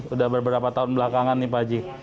udah beberapa tahun belakangan nih pak haji